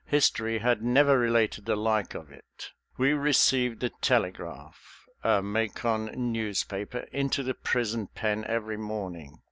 History had never related the like of it. We received the Telegraph, a Macon newspaper, into the prison pen every morning.